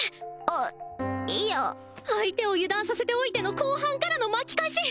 あっいや相手を油断させておいての後半からの巻き返し